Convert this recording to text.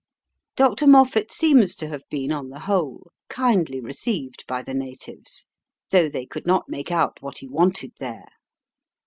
Dr. Moffat seems to have been, on the whole, kindly received by the natives, though they could not make out what he wanted there.